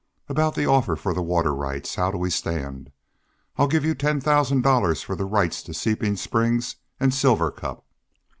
About the offer for the water rights how do we stand? I'll give you ten thousand dollars for the rights to Seeping Springs and Silver Cup."